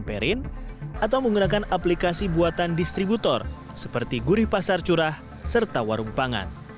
pembelian minyak goreng curah juga bisa dilakukan oleh distributor seperti gurih pasar curah serta warung pangan